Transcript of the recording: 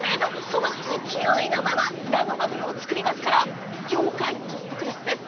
その勢いのままナノバブルを作りますから業界トップクラスです。